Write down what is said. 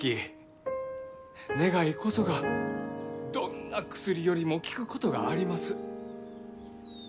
願いこそがどんな薬よりも効くことがあります。